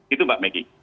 itu mbak meki